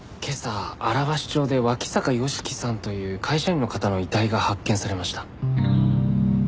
今朝荒鷲町で脇坂芳樹さんという会社員の方の遺体が発見されました。